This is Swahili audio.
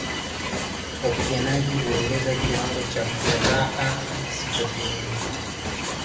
Wapiganaji huongeza kiwango cha furaha kisichopimika